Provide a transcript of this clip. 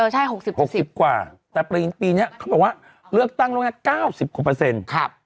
ใช่๖๐๖๐กว่าแต่ปีนี้เขาบอกว่าเลือกตั้งล่วงหน้า๙๐กว่าเปอร์เซ็นต์